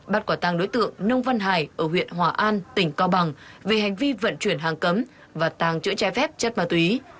bắt quả tàng đối tượng nông văn hải ở huyện hòa an tỉnh cao bằng về hành vi vận chuyển hàng cấm và tàng trữ trái phép chất ma túy